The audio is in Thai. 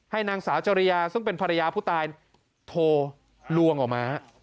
นางสาวจริยาซึ่งเป็นภรรยาผู้ตายโทรลวงออกมา